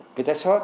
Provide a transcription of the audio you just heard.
người ta shop